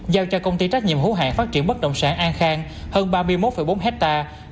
giao cho công ty trách nhiệm hữu hạn phát triển bất động sản an khang hơn ba mươi một bốn hectare